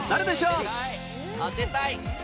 当てたい！